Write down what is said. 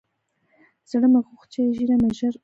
زړه مې غوښت چې ږيره مې ژر گڼه سي.